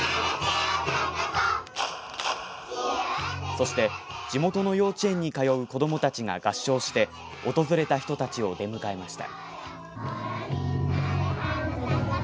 そして、地元の幼稚園に通う子どもたちが合唱して訪れた人たちを出迎えました。